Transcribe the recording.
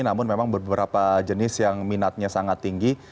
namun memang beberapa jenis yang minatnya sangat tinggi